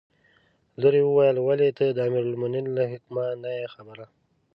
لور یې وویل: ولې ته د امیرالمؤمنین له حکمه نه یې خبره.